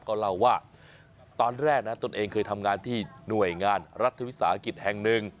ก็เล่าว่าตอนแรกนะตนเองเคยทำงานที่หน่วยงานรัฐวิสาหกิจแห่งหนึ่ง